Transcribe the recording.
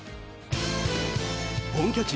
本拠地